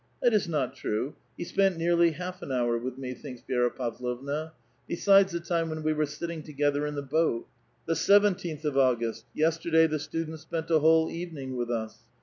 — That is not true; he spent nearly half an hour witli me," thinks Vi^ra Pavlovna, " besides the time when we were sitting together in the boat." ''*• The seventeenth of August ; yesterday the students spent a whole evening with us."